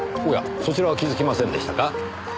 おやそちらは気づきませんでしたか？